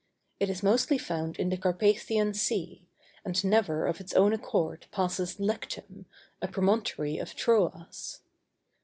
It is mostly found in the Carpathian Sea, and never of its own accord passes Lectum, a promontory of Troas.